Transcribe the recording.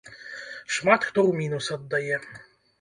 Шмат хто ў мінус аддае.